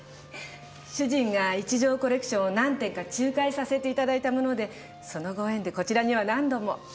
主人が一条コレクションを何点か仲介させていただいたものでそのご縁でこちらには何度も。